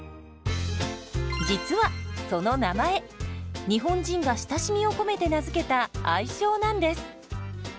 実はその名前日本人が親しみを込めて名付けた愛称なんです。